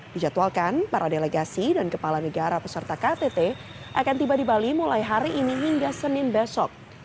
dijadwalkan para delegasi dan kepala negara peserta ktt akan tiba di bali mulai hari ini hingga senin besok